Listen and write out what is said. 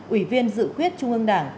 ủy viên dự khuyết trung ương đảng